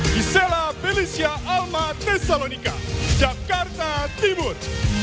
gisela belisia alma tesalonika jakarta timur